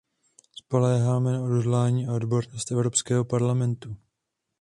Spoléháme na odhodlání a odbornost Evropského parlamentu.